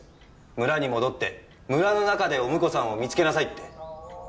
村に戻って村の中でお婿さんを見つけなさいって。